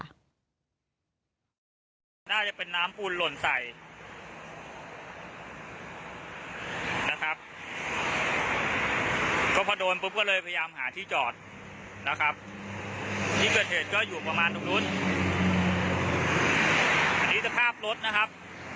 อันนี้จะข้ามรถนะครับ